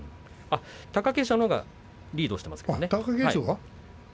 貴景勝のほうがリードしています。